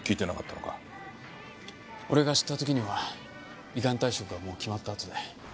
俺が知った時には依願退職がもう決まったあとで。